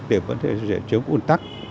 để có thể giải quyết ủn tắc